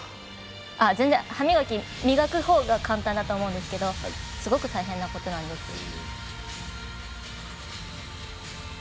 全然、歯磨き磨くほうが簡単だと思いますがすごく大変なことなんです。